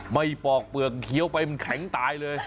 ปอกเปลือกเคี้ยวไปมันแข็งตายเลย